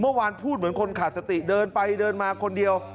เมื่อวานพูดเหมือนคนขาดสติเดินไปเดินมาคนเดียว